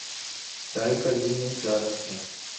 چائے کا جی نہیں چاہ رہا تھا۔